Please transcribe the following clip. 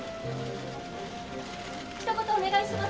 「ひと言お願いします」